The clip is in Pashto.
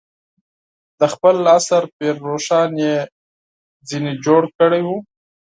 د خپل عصر پير روښان یې ترې جوړ کړی و.